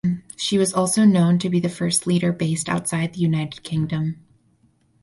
She was also known to be the first leader based outside the United Kingdom.